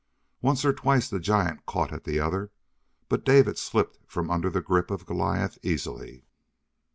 Once or twice the giant caught at the other, but David slipped from under the grip of Goliath easily.